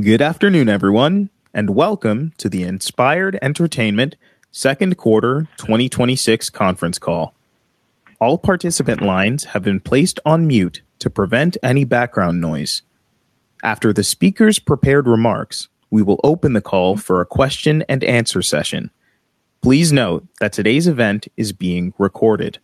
Good afternoon, everyone, and welcome to the Inspired Entertainment second quarter 2026 conference call. All participant lines have been placed on mute to prevent any background noise. After the speaker's prepared remarks, we will open the call for a question and answer session. Please note that today's event is being recorded.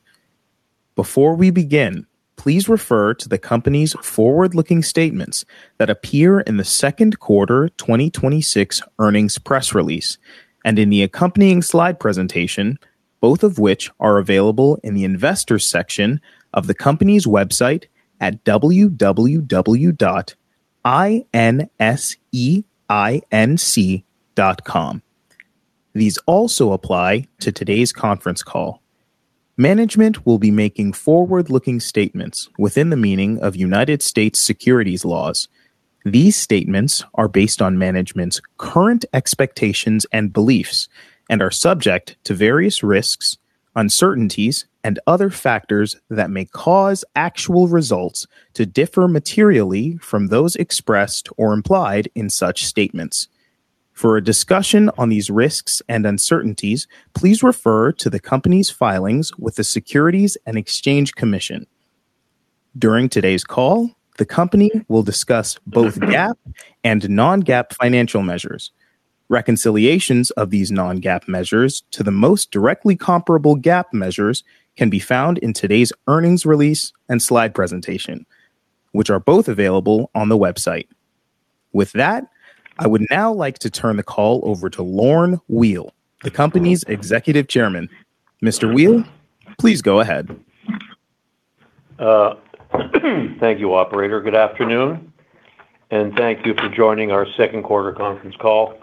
Before we begin, please refer to the company's forward-looking statements that appear in the second quarter 2026 earnings press release and in the accompanying slide presentation, both of which are available in the Investors section of the company's website at www.inseinc.com. These also apply to today's conference call. Management will be making forward-looking statements within the meaning of United States securities laws. These statements are based on management's current expectations and beliefs and are subject to various risks, uncertainties, and other factors that may cause actual results to differ materially from those expressed or implied in such statements. For a discussion on these risks and uncertainties, please refer to the company's filings with the Securities and Exchange Commission. During today's call, the company will discuss both GAAP and non-GAAP financial measures. Reconciliations of these non-GAAP measures to the most directly comparable GAAP measures can be found in today's earnings release and slide presentation, which are both available on the website. With that, I would now like to turn the call over to A. Lorne Weil, the company's Executive Chairman. Mr. Weil, please go ahead. Thank you, operator. Good afternoon, and thank you for joining our second quarter conference call.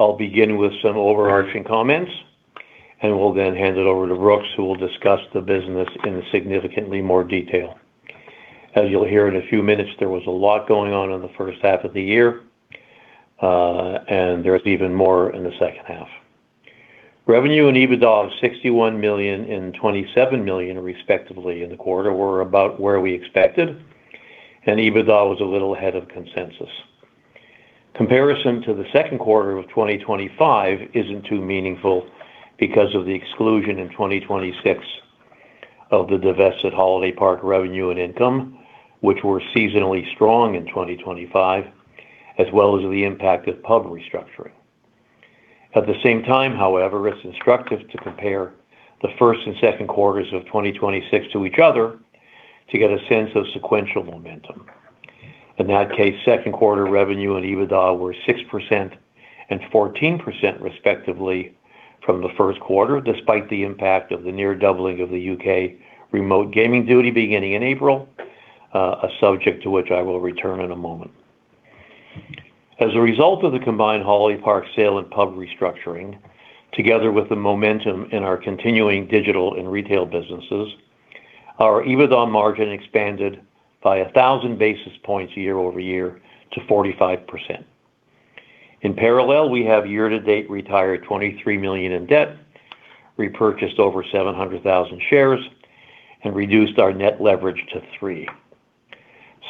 I'll begin with some overarching comments, and will then hand it over to Brooks, who will discuss the business in significantly more detail. As you'll hear in a few minutes, there was a lot going on in the first half of the year, and there's even more in the second half. Revenue and EBITDA of $61 million and $27 million respectively in the quarter were about where we expected, and EBITDA was a little ahead of consensus. Comparison to the second quarter of 2025 isn't too meaningful because of the exclusion in 2026 of the divested Holiday Park revenue and income, which were seasonally strong in 2025, as well as the impact of pub restructuring. At the same time, however, it's instructive to compare the first and second quarters of 2026 to each other to get a sense of sequential momentum. In that case, second quarter revenue and EBITDA were 6% and 14% respectively from the first quarter, despite the impact of the near doubling of the U.K. Remote Gaming Duty beginning in April, a subject to which I will return in a moment. As a result of the combined Holiday Park sale and pub restructuring, together with the momentum in our continuing digital and retail businesses, our EBITDA margin expanded by 1,000 basis points year-over-year to 45%. In parallel, we have year to date retired $23 million in debt, repurchased over 700,000 shares, and reduced our net leverage to three.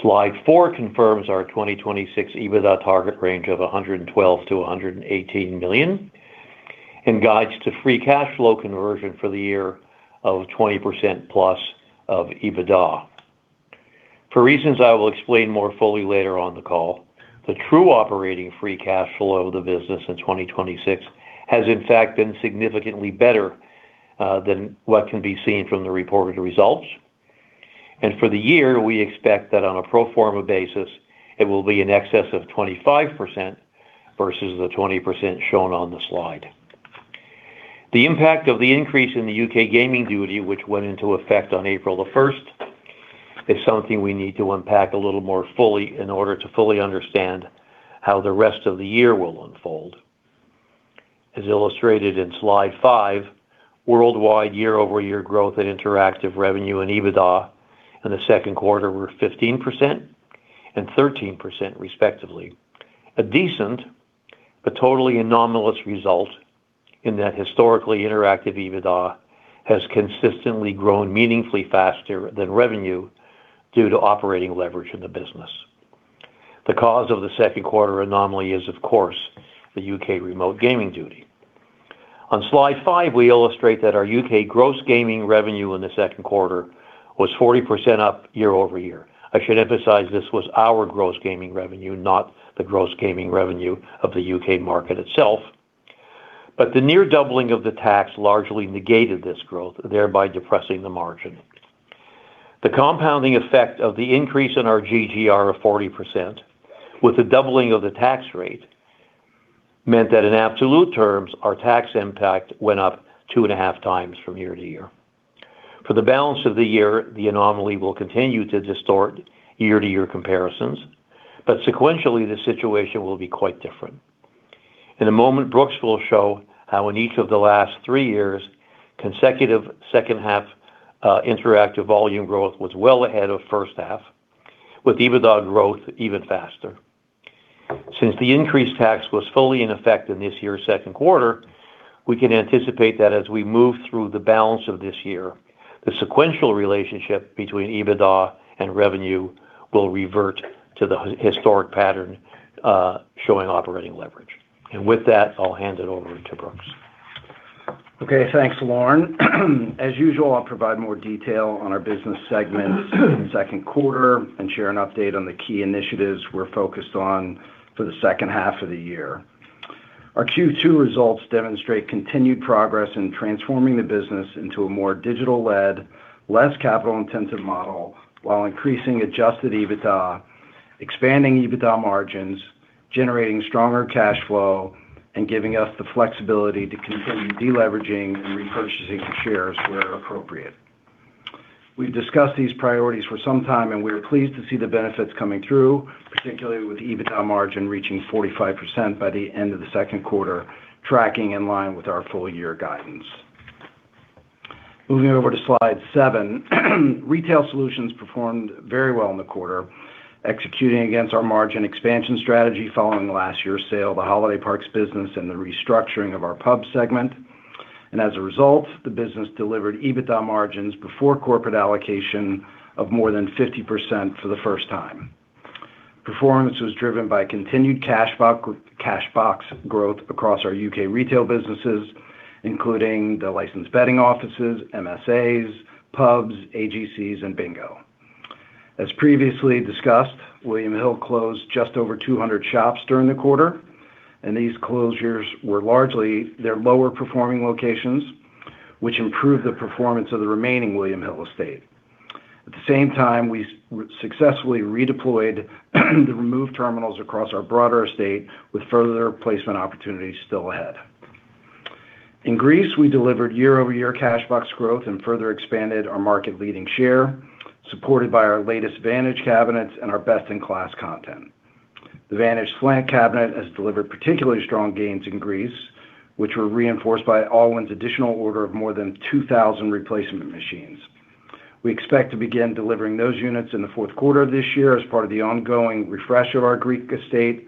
Slide four confirms our 2026 EBITDA target range of $112 million-$118 million and guides to free cash flow conversion for the year of 20%+ of EBITDA. For reasons I will explain more fully later on the call, the true operating free cash flow of the business in 2026 has in fact been significantly better than what can be seen from the reported results. For the year, we expect that on a pro forma basis, it will be in excess of 25% versus the 20% shown on the slide. The impact of the increase in the U.K. gaming duty, which went into effect on April 1st, is something we need to unpack a little more fully in order to fully understand how the rest of the year will unfold. As illustrated in slide five, worldwide year-over-year growth in interactive revenue and EBITDA in the second quarter were 15% and 13% respectively. A decent but totally anomalous result in that historically interactive EBITDA has consistently grown meaningfully faster than revenue due to operating leverage in the business. The cause of the second quarter anomaly is, of course, the U.K. Remote Gaming Duty. On slide five, we illustrate that our U.K. gross gaming revenue in the second quarter was 40% up year-over-year. I should emphasize this was our gross gaming revenue, not the gross gaming revenue of the U.K. market itself. The near doubling of the tax largely negated this growth, thereby depressing the margin. The compounding effect of the increase in our GGR of 40% with the doubling of the tax rate meant that in absolute terms, our tax impact went up 2.5 times from year-to-year. For the balance of the year, the anomaly will continue to distort year-to-year comparisons, but sequentially, the situation will be quite different. In a moment, Brooks will show how in each of the last three years, consecutive second half interactive volume growth was well ahead of first half, with EBITDA growth even faster. Since the increased tax was fully in effect in this year's second quarter, we can anticipate that as we move through the balance of this year, the sequential relationship between EBITDA and revenue will revert to the historic pattern, showing operating leverage. With that, I'll hand it over to Brooks. Okay, thanks, Lorne. As usual, I'll provide more detail on our business segments in the second quarter and share an update on the key initiatives we're focused on for the second half of the year. Our Q2 results demonstrate continued progress in transforming the business into a more digital-led, less capital-intensive model while increasing adjusted EBITDA, expanding EBITDA margins, generating stronger cash flow, and giving us the flexibility to continue deleveraging and repurchasing shares where appropriate. We've discussed these priorities for some time, and we are pleased to see the benefits coming through, particularly with the EBITDA margin reaching 45% by the end of the second quarter, tracking in line with our full-year guidance. Moving over to slide seven. Retail solutions performed very well in the quarter, executing against our margin expansion strategy following last year's sale of the Holiday Parks business and the restructuring of our pub segment. As a result, the business delivered EBITDA margins before corporate allocation of more than 50% for the first time. Performance was driven by continued cash box growth across our U.K. retail businesses, including the licensed betting offices, MSAs, pubs, AGCs, and bingo. As previously discussed, William Hill closed just over 200 shops during the quarter, and these closures were largely their lower-performing locations, which improved the performance of the remaining William Hill estate. At the same time, we successfully redeployed the removed terminals across our broader estate, with further placement opportunities still ahead. In Greece, we delivered year-over-year cash box growth and further expanded our market-leading share, supported by our latest Vantage cabinets and our best-in-class content. The Vantage Slant cabinet has delivered particularly strong gains in Greece, which were reinforced by Allwyn's additional order of more than 2,000 replacement machines. We expect to begin delivering those units in the fourth quarter of this year as part of the ongoing refresh of our Greek estate,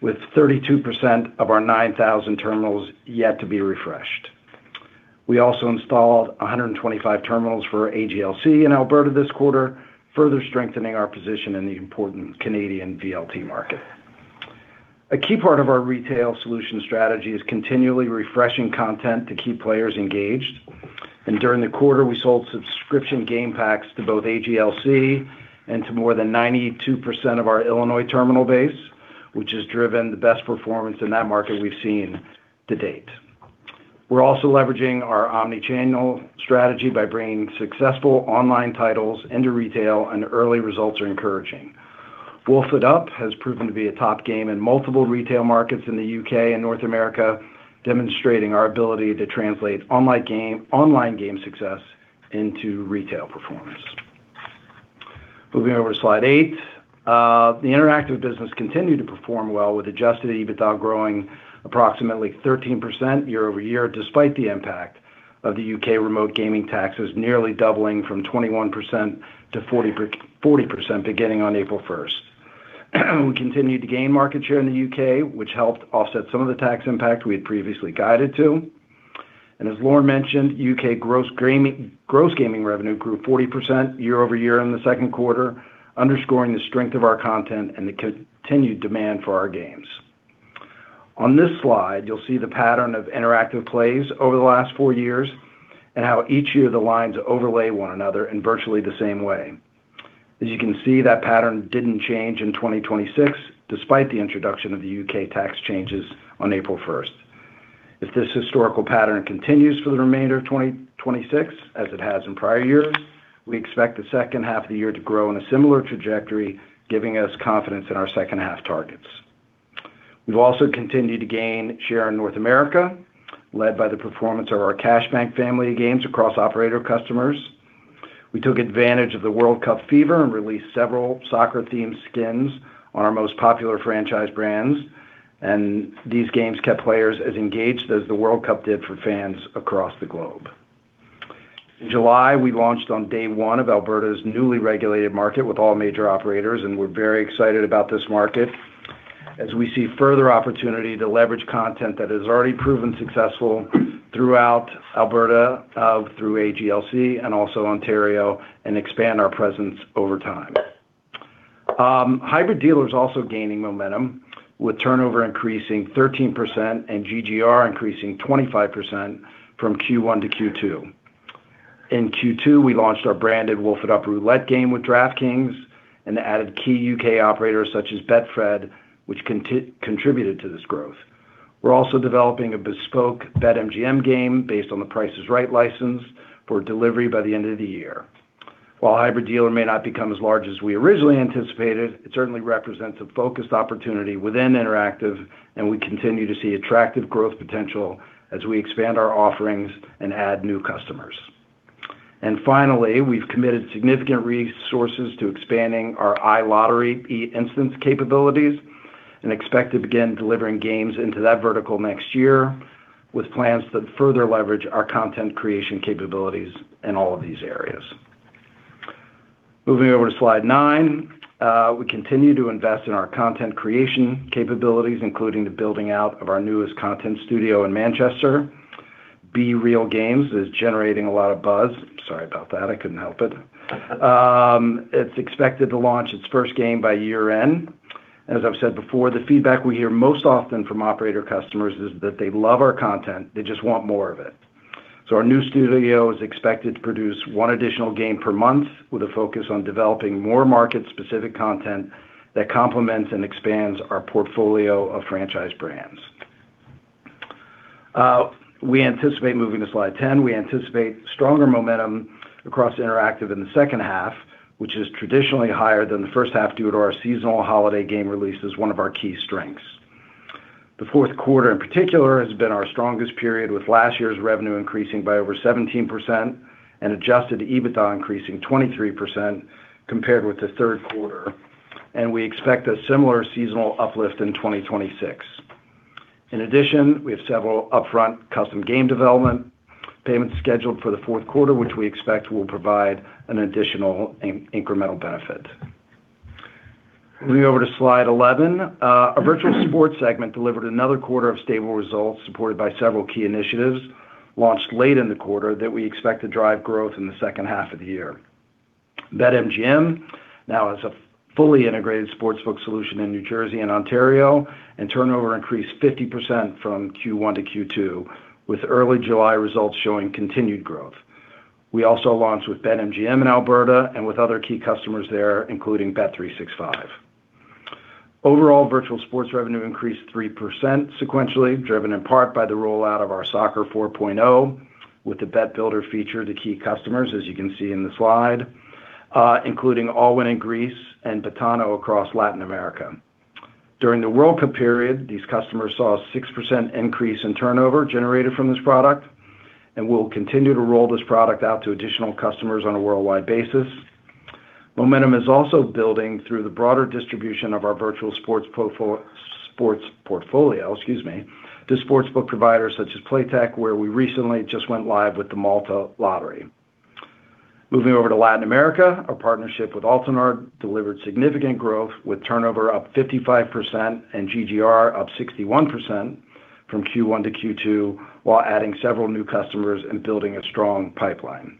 with 32% of our 9,000 terminals yet to be refreshed. We also installed 125 terminals for AGLC in Alberta this quarter, further strengthening our position in the important Canadian VLT market. A key part of our retail solution strategy is continually refreshing content to keep players engaged. During the quarter, we sold subscription game packs to both AGLC and to more than 92% of our Illinois terminal base, which has driven the best performance in that market we've seen to date. We're also leveraging our omnichannel strategy by bringing successful online titles into retail, and early results are encouraging. Wolf It Up! has proven to be a top game in multiple retail markets in the U.K. and North America, demonstrating our ability to translate online game success into retail performance. Moving over to slide eight. The interactive business continued to perform well with adjusted EBITDA growing approximately 13% year-over-year, despite the impact of the U.K. Remote Gaming taxes nearly doubling from 21% to 40% beginning on April 1st. We continued to gain market share in the U.K., which helped offset some of the tax impact we had previously guided to. As Lorne mentioned, U.K. gross gaming revenue grew 40% year-over-year in the second quarter, underscoring the strength of our content and the continued demand for our games. On this slide, you'll see the pattern of interactive plays over the last four years and how each year the lines overlay one another in virtually the same way. As you can see, that pattern didn't change in 2026, despite the introduction of the U.K. tax changes on April 1st. If this historical pattern continues for the remainder of 2026 as it has in prior years, we expect the second half of the year to grow in a similar trajectory, giving us confidence in our second-half targets. We've also continued to gain share in North America, led by the performance of our Cash Bank family of games across operator customers. We took advantage of the World Cup fever and released several soccer-themed skins on our most popular franchise brands, and these games kept players as engaged as the World Cup did for fans across the globe. In July, we launched on day one of Alberta's newly regulated market with all major operators. We're very excited about this market, as we see further opportunity to leverage content that has already proven successful throughout Alberta, through AGLC and also Ontario, and expand our presence over time. Hybrid Dealer is also gaining momentum, with turnover increasing 13% and GGR increasing 25% from Q1 to Q2. In Q2, we launched our branded Wolf It Up Roulette game with DraftKings and added key U.K. operators such as Betfred, which contributed to this growth. We're also developing a bespoke BetMGM game based on The Price is Right license for delivery by the end of the year. While Hybrid Dealer may not become as large as we originally anticipated, it certainly represents a focused opportunity within interactive. We continue to see attractive growth potential as we expand our offerings and add new customers. Finally, we've committed significant resources to expanding our iLottery instance capabilities and expect to begin delivering games into that vertical next year, with plans to further leverage our content creation capabilities in all of these areas. Moving over to slide nine, we continue to invest in our content creation capabilities, including the building out of our newest content studio in Manchester. Bee Reel Games is generating a lot of buzz. Sorry about that, I couldn't help it. It's expected to launch its first game by year-end. As I've said before, the feedback we hear most often from operator customers is that they love our content, they just want more of it. Our new studio is expected to produce one additional game per month with a focus on developing more market-specific content that complements and expands our portfolio of franchise brands. Moving to slide 10, we anticipate stronger momentum across interactive in the second half, which is traditionally higher than the first half due to our seasonal holiday game release as one of our key strengths. The fourth quarter in particular has been our strongest period with last year's revenue increasing by over 17% and adjusted EBITDA increasing 23% compared with the third quarter. We expect a similar seasonal uplift in 2026. In addition, we have several upfront custom game development payments scheduled for the fourth quarter, which we expect will provide an additional incremental benefit. Moving over to slide 11. Our virtual sports segment delivered another quarter of stable results supported by several key initiatives launched late in the quarter that we expect to drive growth in the second half of the year. BetMGM now has a fully integrated sportsbook solution in New Jersey and Ontario. Turnover increased 50% from Q1 to Q2, with early July results showing continued growth. We also launched with BetMGM in Alberta and with other key customers there, including Bet365. Overall, virtual sports revenue increased 3% sequentially, driven in part by the rollout of our Soccer 4.0 with the bet builder feature to key customers, as you can see in the slide, including Allwyn in Greece and Betano across Latin America. During the World Cup period, these customers saw a 6% increase in turnover generated from this product. We'll continue to roll this product out to additional customers on a worldwide basis. Momentum is also building through the broader distribution of our virtual sports portfolio to sportsbook providers such as Playtech, where we recently just went live with the Malta Lottery. Moving over to Latin America, our partnership with Altenar delivered significant growth with turnover up 55% and GGR up 61% from Q1 to Q2 while adding several new customers and building a strong pipeline.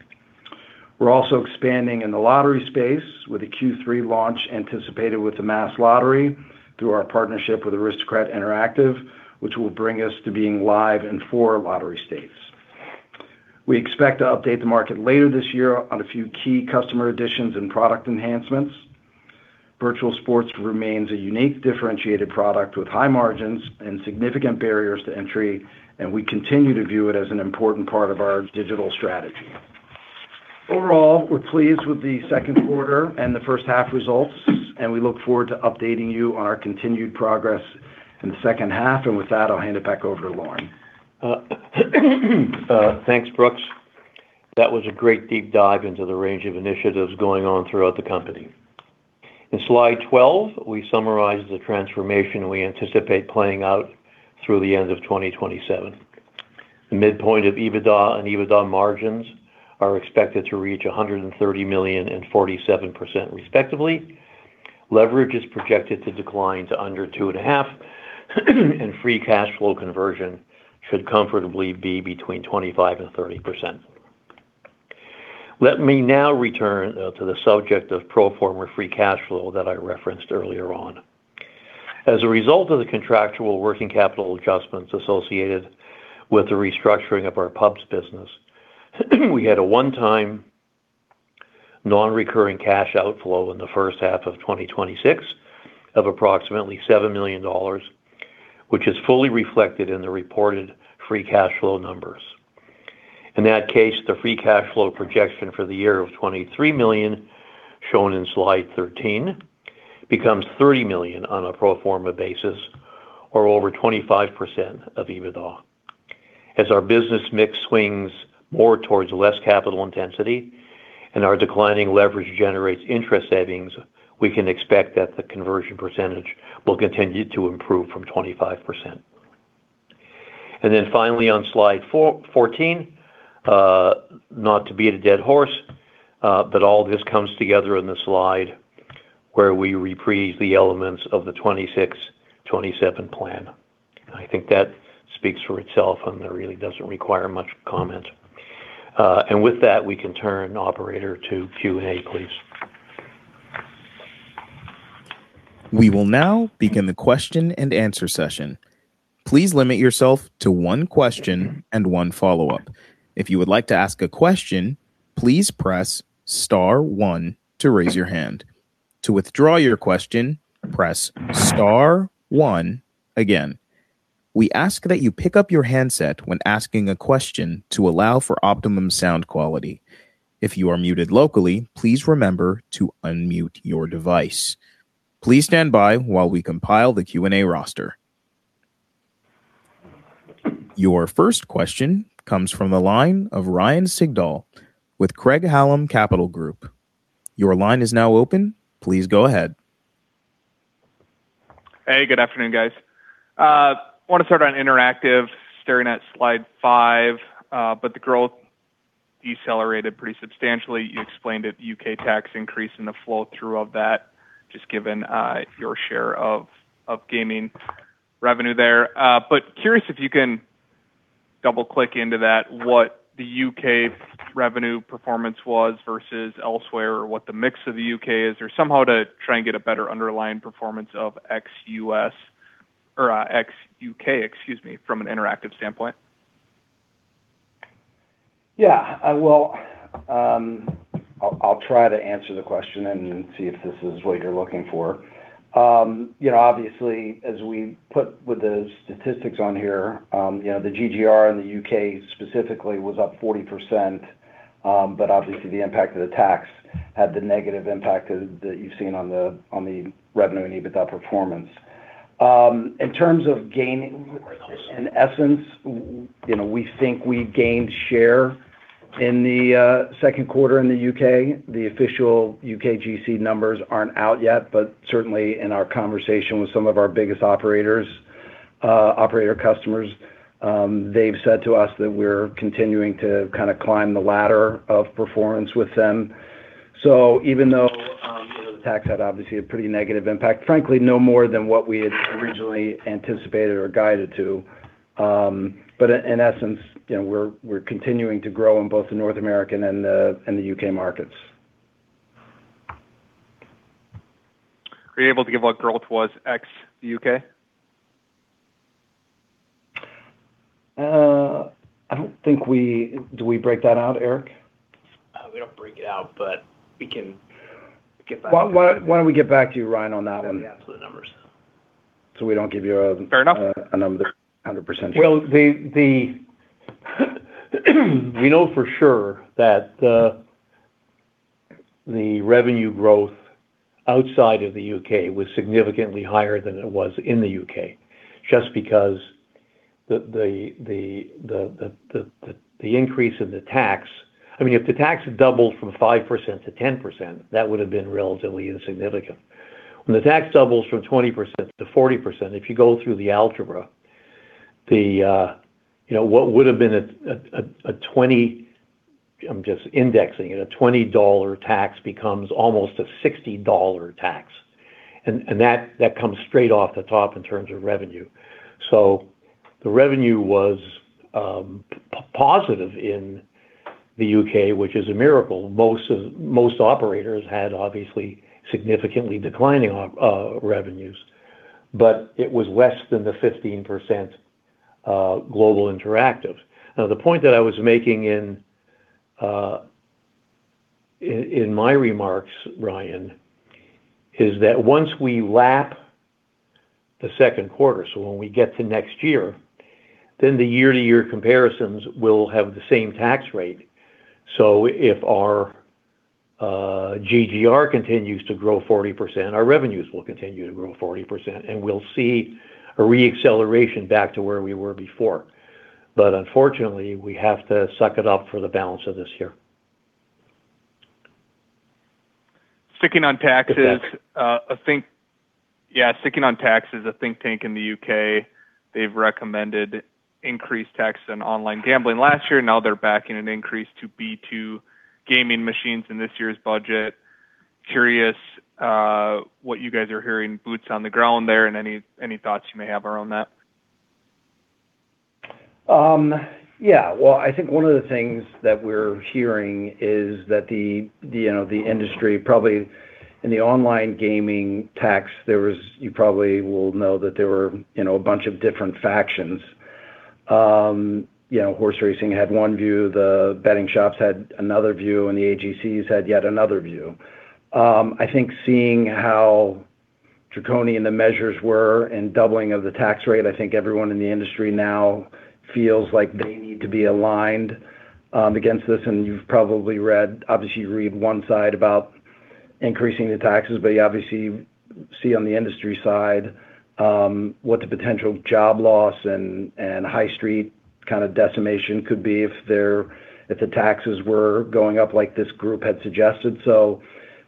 We're also expanding in the lottery space with the Q3 launch anticipated with the Mass Lottery through our partnership with Aristocrat Interactive, which will bring us to being live in four lottery states. We expect to update the market later this year on a few key customer additions and product enhancements. Virtual sports remains a unique, differentiated product with high margins and significant barriers to entry, and we continue to view it as an important part of our digital strategy. Overall, we're pleased with the second quarter and the first half results, we look forward to updating you on our continued progress in the second half. With that, I'll hand it back over to Lorne. Thanks, Brooks. That was a great deep dive into the range of initiatives going on throughout the company. In slide 12, we summarize the transformation we anticipate playing out through the end of 2027. The midpoint of EBITDA and EBITDA margins are expected to reach 130 million and 47% respectively. Leverage is projected to decline to under two and a half and free cash flow conversion should comfortably be between 25% and 30%. Let me now return to the subject of pro forma free cash flow that I referenced earlier on. As a result of the contractual working capital adjustments associated with the restructuring of our pubs business, we had a one-time non-recurring cash outflow in the first half of 2026 of approximately GBP 7 million, which is fully reflected in the reported free cash flow numbers. In that case, the free cash flow projection for the year of 23 million, shown in slide 13, becomes 30 million on a pro forma basis, or over 25% of EBITDA. As our business mix swings more towards less capital intensity and our declining leverage generates interest savings, we can expect that the conversion percentage will continue to improve from 25%. Finally on slide 14, not to beat a dead horse, all this comes together in the slide where we reprise the elements of the 2026, 2027 plan. I think that speaks for itself and that really doesn't require much comment. With that, we can turn, operator, to Q&A, please. We will now begin the question and answer session. Please limit yourself to one question and one follow-up. If you would like to ask a question, please press star one to raise your hand. To withdraw your question, press star one again. We ask that you pick up your handset when asking a question to allow for optimum sound quality. If you are muted locally, please remember to unmute your device. Please stand by while we compile the Q&A roster. Your first question comes from the line of Ryan Sigdahl with Craig-Hallum Capital Group. Your line is now open. Please go ahead. Hey, good afternoon, guys. I want to start on interactive, staring at slide five, the growth decelerated pretty substantially. You explained it, U.K. tax increase and the flow-through of that, just given your share of gaming revenue there. Curious if you can double-click into that, what the U.K. revenue performance was versus elsewhere, or what the mix of the U.K. is, or somehow to try and get a better underlying performance of ex-U.S. or ex-U.K., excuse me, from an interactive standpoint. Well, I'll try to answer the question and see if this is what you're looking for. Obviously, as we put with the statistics on here, the GGR in the U.K. specifically was up 40%, obviously the impact of the tax had the negative impact that you've seen on the revenue and EBITDA performance. In terms of gaming, in essence, we think we gained share in the second quarter in the U.K. The official UKGC numbers aren't out yet, but certainly in our conversation with some of our biggest operator customers, they've said to us that we're continuing to kind of climb the ladder of performance with them. Even though the tax had obviously a pretty negative impact, frankly, no more than what we had originally anticipated or guided to. In essence, we're continuing to grow in both the North American and the U.K. markets. Are you able to give what growth was ex the U.K.? I don't think we Do we break that out, Eric? We don't break it out, but we can get back to you. Why don't we get back to you, Ryan, on that one. with the absolute numbers. we don't give you Fair enough a number that's 100% sure. we know for sure that the revenue growth outside of the U.K. was significantly higher than it was in the U.K., just because the increase in the tax If the tax had doubled from 5% to 10%, that would've been relatively insignificant. When the tax doubles from 20% to 40%, if you go through the algebra, what would've been a 20, I'm just indexing it, a GBP 20 tax becomes almost a GBP 60 tax. that comes straight off the top in terms of revenue. the revenue was positive in the U.K., which is a miracle. Most operators had obviously significantly declining revenues, but it was less than the 15% global interactive. the point that I was making in my remarks, Ryan, is that once we lap the second quarter, when we get to next year, then the year-to-year comparisons will have the same tax rate. If our GGR continues to grow 40%, our revenues will continue to grow 40%, and we'll see a re-acceleration back to where we were before. Unfortunately, we have to suck it up for the balance of this year. Sticking on taxes. Get back to you. Sticking on taxes, a think tank in the U.K., they've recommended increased tax in online gambling last year. Now they're backing an increase to B2 gaming machines in this year's budget. Curious what you guys are hearing boots on the ground there, and any thoughts you may have around that. I think one of the things that we're hearing is that the industry, probably in the online gaming tax, you probably will know that there were a bunch of different factions. Horse racing had one view, the betting shops had another view, and the AGCs had yet another view. I think seeing how draconian the measures were in doubling of the tax rate, I think everyone in the industry now feels like they need to be aligned against this. You've probably read, obviously you read one side about increasing the taxes, but you obviously see on the industry side what the potential job loss and high street decimation could be if the taxes were going up like this group had suggested.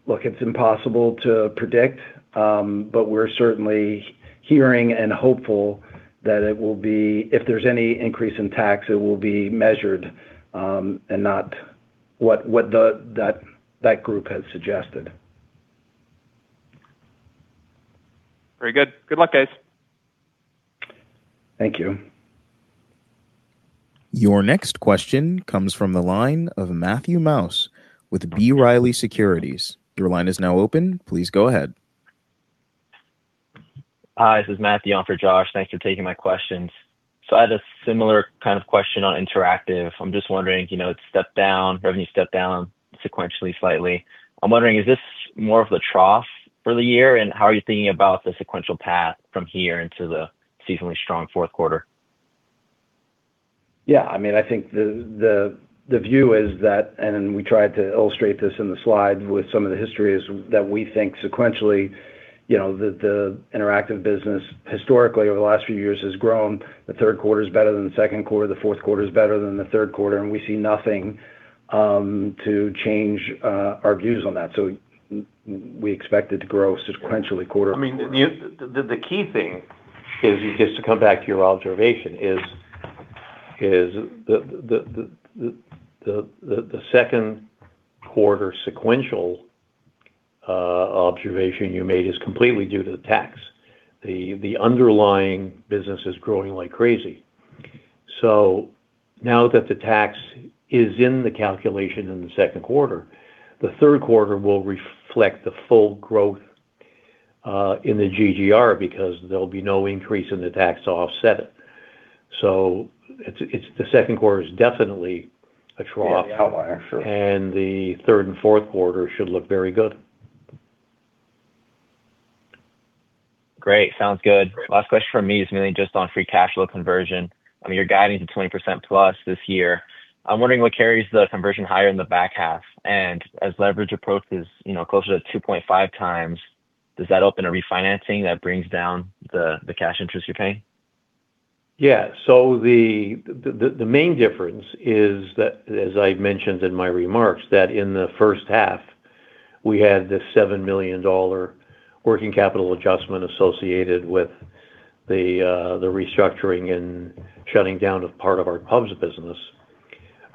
Look, it's impossible to predict, but we're certainly hearing and hopeful that it will be, if there's any increase in tax, it will be measured, and not what that group has suggested. Very good. Good luck, guys. Thank you. Your next question comes from the line of Matthew Maus with B. Riley Securities. Your line is now open. Please go ahead. Hi, this is Matthew on for Josh. Thanks for taking my questions. I had a similar kind of question on interactive. I'm just wondering, it stepped down, revenue stepped down sequentially slightly. I'm wondering, is this more of the trough for the year, and how are you thinking about the sequential path from here into the seasonally strong fourth quarter? Yeah, I think the view is that, and we tried to illustrate this in the slide with some of the history, is that we think sequentially, the interactive business historically over the last few years has grown. The third quarter's better than the second quarter, the fourth quarter's better than the third quarter, and we see nothing to change our views on that. We expect it to grow sequentially quarter-over-quarter. The key thing is, just to come back to your observation, is the second quarter sequential observation you made is completely due to the tax. The underlying business is growing like crazy. Now that the tax is in the calculation in the second quarter, the third quarter will reflect the full growth in the GGR because there'll be no increase in the tax to offset it. The second quarter is definitely a trough. Yeah, an outlier. Sure. The third and fourth quarter should look very good. Great. Sounds good. Last question from me is mainly just on free cash flow conversion. You're guiding to 20% plus this year. I'm wondering what carries the conversion higher in the back half, and as leverage approaches closer to 2.5 times, does that open a refinancing that brings down the cash interest you're paying? Yeah. The main difference is that, as I mentioned in my remarks, that in the first half, we had this $7 million working capital adjustment associated with the restructuring and shutting down of part of our pubs business.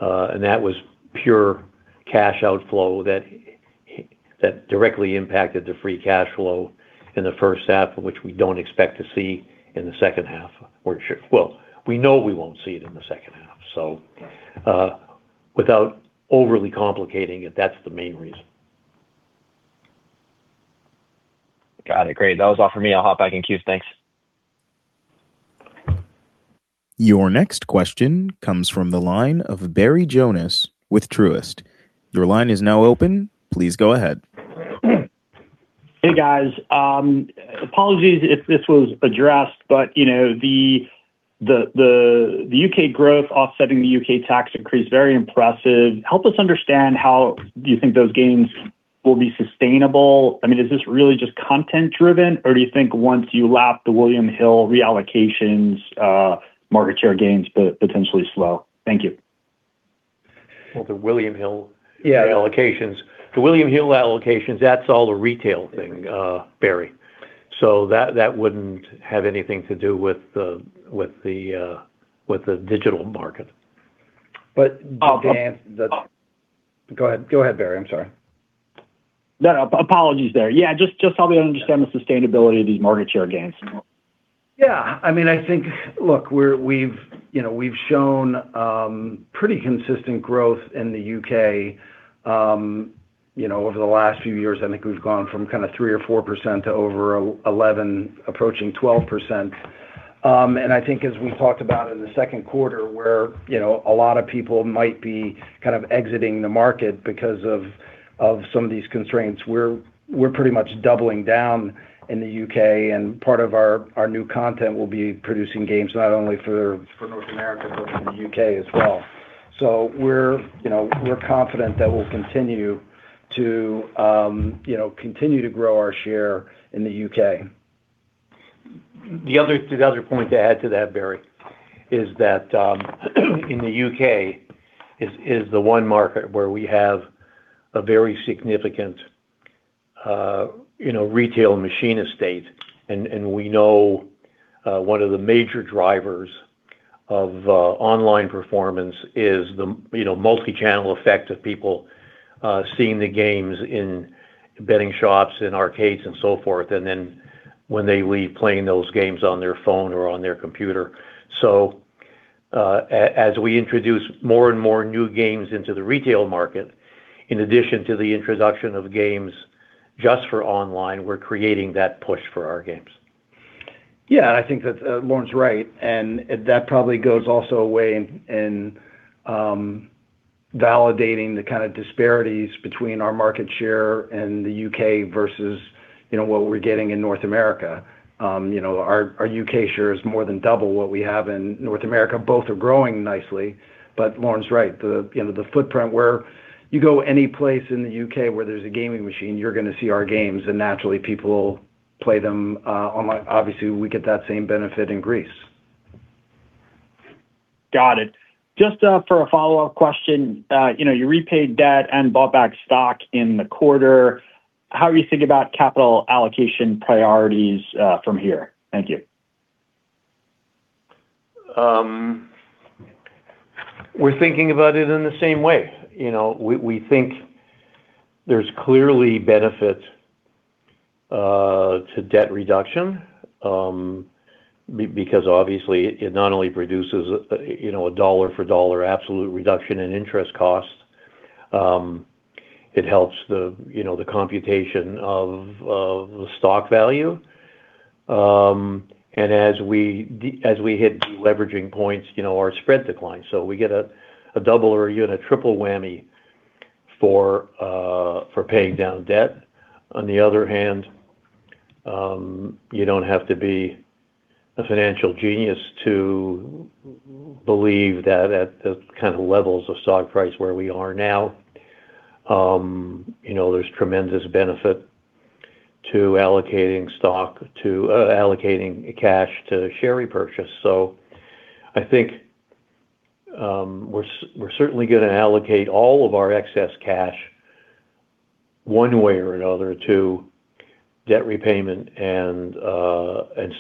That was pure cash outflow that directly impacted the free cash flow in the first half, which we don't expect to see in the second half. We know we won't see it in the second half. Right without overly complicating it, that's the main reason. Got it. Great. That was all for me. I'll hop back in queue. Thanks. Your next question comes from the line of Barry Jonas with Truist. Your line is now open. Please go ahead. Hey, guys. Apologies if this was addressed, but the U.K. growth offsetting the U.K. tax increase, very impressive. Help us understand how you think those gains will be sustainable. Is this really just content driven, or do you think once you lap the William Hill reallocations, market share gains potentially slow? Thank you. Well, the William Hill- Yeah reallocations. The William Hill allocations, that's all the retail thing, Barry. That wouldn't have anything to do with the digital market. Dan, Go ahead, Barry. I'm sorry. No, apologies there. Yeah, just help me understand the sustainability of these market share gains. Look, we've shown pretty consistent growth in the U.K. Over the last few years, I think we've gone from 3% or 4% to over 11%, approaching 12%. I think as we talked about in the second quarter, where a lot of people might be exiting the market because of some of these constraints, we're pretty much doubling down in the U.K. Part of our new content will be producing games not only for North America, but for the U.K. as well. We're confident that we'll continue to grow our share in the U.K. The other point to add to that, Barry, is that in the U.K. is the one market where we have a very significant retail machine estate. We know one of the major drivers of online performance is the multi-channel effect of people seeing the games in betting shops, in arcades and so forth. Then when they leave playing those games on their phone or on their computer. As we introduce more and more new games into the retail market, in addition to the introduction of games just for online, we're creating that push for our games. I think that Lorne's right, that probably goes also a way in validating the kind of disparities between our market share and the U.K. versus what we're getting in North America. Our U.K. share is more than double what we have in North America. Both are growing nicely, but Lorne's right. The footprint where you go any place in the U.K. where there's a gaming machine, you're going to see our games naturally people play them online. Obviously, we get that same benefit in Greece. Got it. Just for a follow-up question. You repaid debt and bought back stock in the quarter. How are you thinking about capital allocation priorities from here? Thank you. We're thinking about it in the same way. We think there's clearly benefit to debt reduction. Obviously it not only produces a dollar for dollar absolute reduction in interest costs, it helps the computation of the stock value. As we hit deleveraging points, our spread declines. We get a double or even a triple whammy for paying down debt. On the other hand, you don't have to be a financial genius to believe that at the kind of levels of stock price where we are now, there's tremendous benefit to allocating stock, to allocating cash to share repurchase. I think we're certainly going to allocate all of our excess cash one way or another to debt repayment and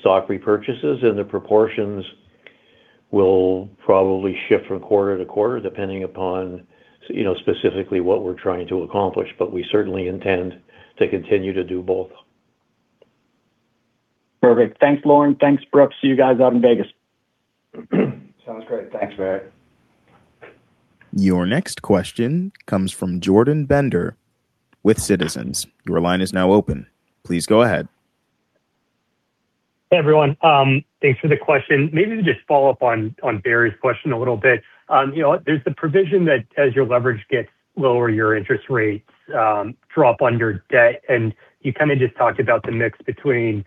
stock repurchases, and the proportions will probably shift from quarter to quarter, depending upon specifically what we're trying to accomplish. We certainly intend to continue to do both. Perfect. Thanks, Lorne. Thanks, Brooks. See you guys out in Vegas. Sounds great. Thanks, Barry. Your next question comes from Jordan Bender with Citizens. Your line is now open. Please go ahead. Hey, everyone. Thanks for the question. Maybe to just follow up on Barry's question a little bit. There's the provision that as your leverage gets lower, your interest rates drop under debt, and you kind of just talked about the mix between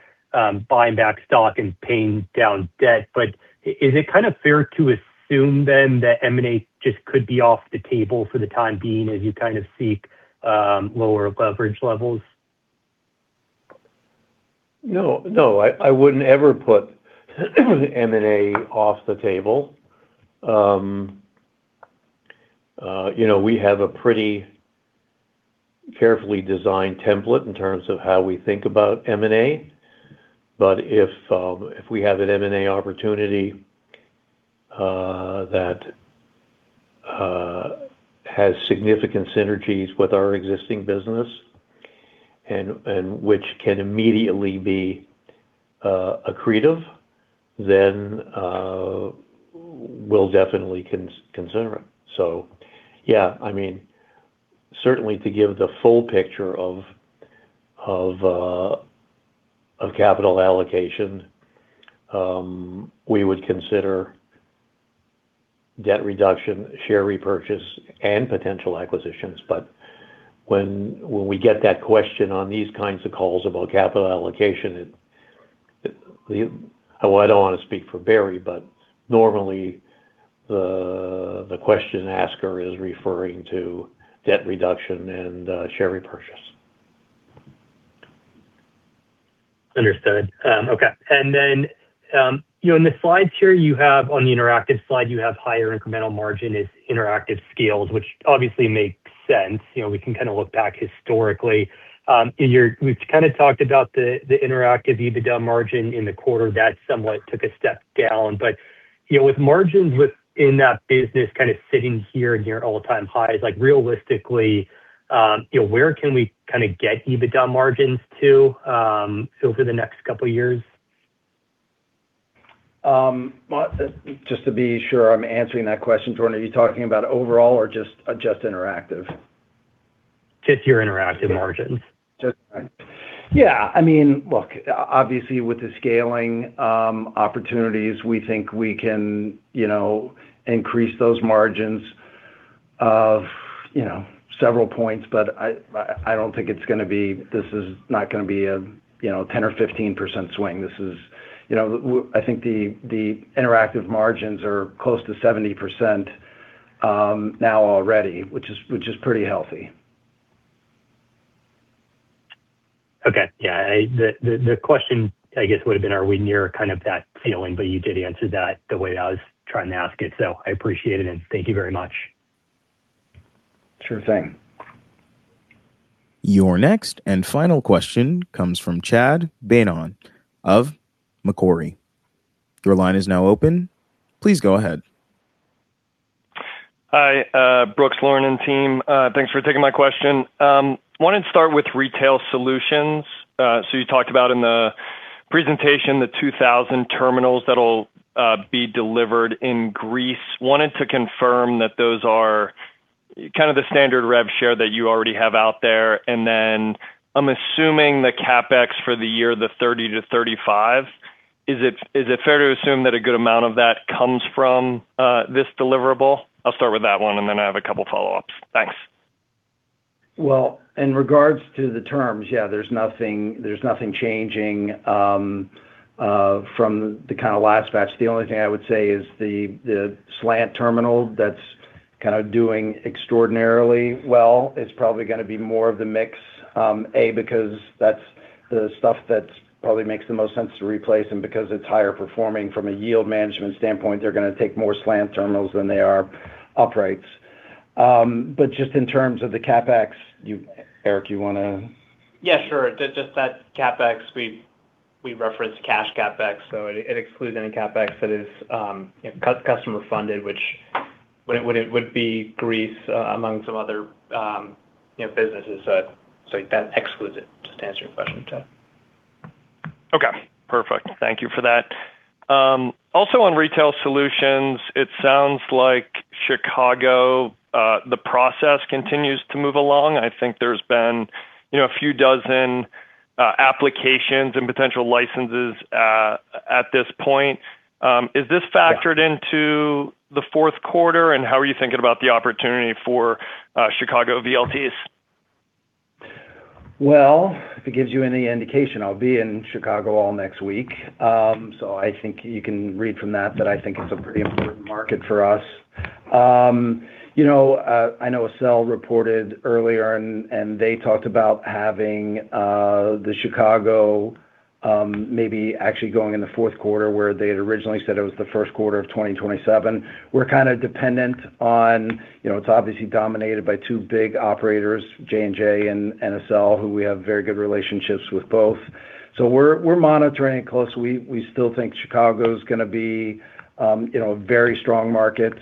buying back stock and paying down debt. Is it kind of fair to assume then that M&A just could be off the table for the time being as you kind of seek lower leverage levels? No, I wouldn't ever put M&A off the table. We have a pretty carefully designed template in terms of how we think about M&A. If we have an M&A opportunity that has significant synergies with our existing business and which can immediately be accretive, then we'll definitely consider it. Yeah, certainly to give the full picture of capital allocation, we would consider debt reduction, share repurchase, and potential acquisitions. When we get that question on these kinds of calls about capital allocation, I don't want to speak for Barry, normally the question asker is referring to debt reduction and share repurchase. Understood. Okay. Then, in the slides here, you have on the interactive slide, you have higher incremental margin is interactive scales, which obviously makes sense. We can kind of look back historically. We've kind of talked about the interactive EBITDA margin in the quarter that somewhat took a step down. With margins within that business kind of sitting here near all-time highs, realistically, where can we kind of get EBITDA margins to over the next couple of years? Just to be sure I'm answering that question, Jordan, are you talking about overall or just Interactive? Just your Interactive margins. Yeah. Look, obviously, with the scaling opportunities, we think we can increase those margins of several points. This is not going to be a 10% or 15% swing. I think the Interactive margins are close to 70% now already, which is pretty healthy. Okay. Yeah. The question, I guess, would have been, are we near kind of that ceiling? You did answer that the way I was trying to ask it, so I appreciate it, and thank you very much. Sure thing. Your next and final question comes from Chad Beynon of Macquarie. Your line is now open. Please go ahead. Hi, Brooks, Lorne, and team. Thanks for taking my question. Wanted to start with Retail Solutions. You talked about in the presentation the 2,000 terminals that'll be delivered in Greece. Wanted to confirm that those are kind of the standard rev share that you already have out there. Then I'm assuming the CapEx for the year, the 30-35, is it fair to assume that a good amount of that comes from this deliverable? I'll start with that one, and then I have a couple follow-ups. Thanks. Well, in regards to the terms, yeah, there's nothing changing from the kind of last batch. The only thing I would say is the Vantage Slant that's kind of doing extraordinarily well is probably going to be more of the mix, A, because that's the stuff that probably makes the most sense to replace, and because it's higher performing from a yield management standpoint, they're going to take more Vantage Slant terminals than they are uprights. Just in terms of the CapEx, Eric, you want to- Yeah, sure. Just that CapEx, we referenced cash CapEx, so it excludes any CapEx that is customer funded, which would be Greece among some other businesses. That excludes it, just to answer your question, Chad. Okay, perfect. Thank you for that. Also on Retail Solutions, it sounds like Chicago, the process continues to move along. I think there's been a few dozen applications and potential licenses at this point. Is this factored into the fourth quarter, and how are you thinking about the opportunity for Chicago VLTs? Well, if it gives you any indication, I'll be in Chicago all next week. I think you can read from that I think it's a pretty important market for us. I know SL reported earlier and they talked about having the Chicago maybe actually going in the fourth quarter, where they had originally said it was the first quarter of 2027. It's obviously dominated by two big operators, J&J and SL, who we have very good relationships with both. We're monitoring it closely. We still think Chicago's going to be a very strong market,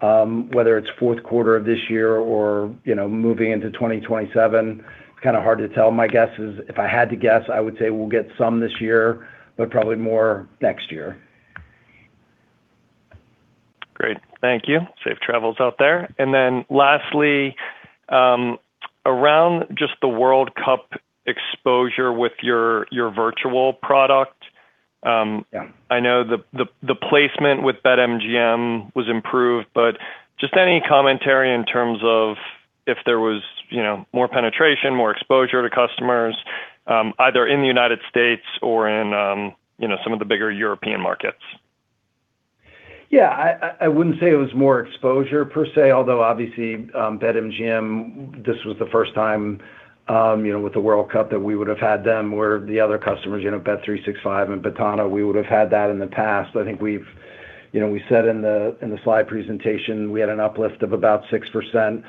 whether it's fourth quarter of this year or moving into 2027, kind of hard to tell. My guess is, if I had to guess, I would say we'll get some this year, but probably more next year. Great. Thank you. Safe travels out there. Lastly, around just the World Cup exposure with your virtual product. Yeah. I know the placement with BetMGM was improved, just any commentary in terms of if there was more penetration, more exposure to customers, either in the U.S. or in some of the bigger European markets. Yeah. I wouldn't say it was more exposure per se, although obviously, BetMGM, this was the first time with the World Cup that we would have had them, where the other customers, Bet365 and Betano, we would have had that in the past. I think we said in the slide presentation, we had an uplift of about 6%.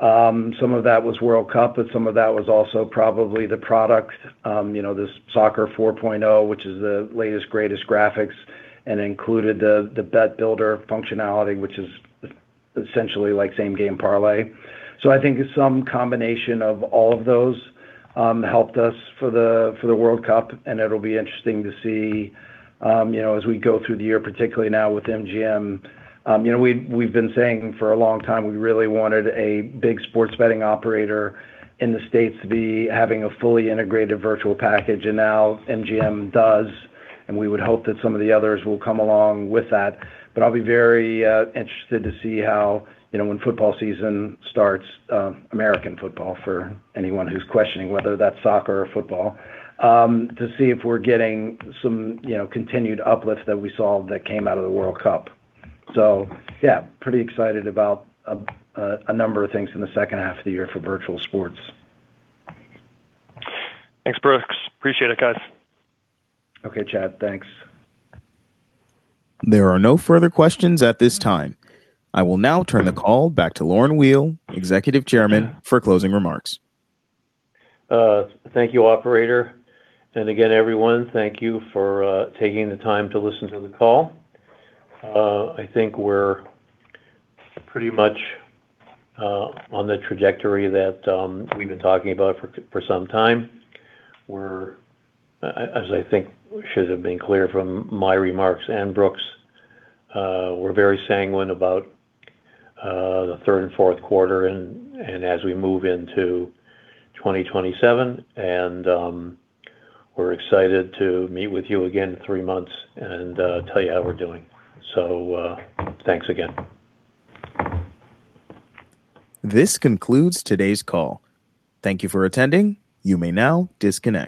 Some of that was World Cup, but some of that was also probably the product, this Virtual Soccer, which is the latest, greatest graphics and included the bet builder functionality, which is essentially same-game parlay. I think some combination of all of those helped us for the World Cup, and it'll be interesting to see as we go through the year, particularly now with MGM. We've been saying for a long time, we really wanted a big sports betting operator in the U.S. to be having a fully integrated virtual package, and now MGM does. We would hope that some of the others will come along with that. I'll be very interested to see how when football season starts, American football, for anyone who's questioning whether that's soccer or football, to see if we're getting some continued uplift that we saw that came out of the World Cup. Yeah, pretty excited about a number of things in the second half of the year for virtual sports. Thanks, Brooks. Appreciate it, guys. Okay, Chad. Thanks. There are no further questions at this time. I will now turn the call back to Lorne Weil, Executive Chairman, for closing remarks. Thank you, operator. Again, everyone, thank you for taking the time to listen to the call. I think we're pretty much on the trajectory that we've been talking about for some time, where, as I think should have been clear from my remarks and Brooks, we're very sanguine about the third and fourth quarter and as we move into 2027. We're excited to meet with you again in three months and tell you how we're doing. Thanks again. This concludes today's call. Thank you for attending. You may now disconnect.